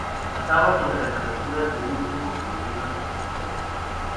Trataba sobre las aventuras de un grupo femenino de delincuentes.